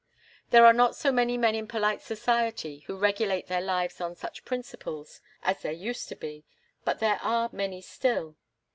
There are not so many men in polite society who regulate their lives on such principles as there used to be, but there are many still.